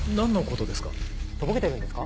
とぼけてるんですか？